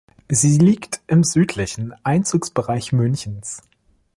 Sie liegt im südlichen Einzugsbereich Münchens.